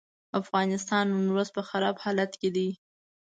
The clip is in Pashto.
افغانستان نن ورځ په خراب حالت کې دی.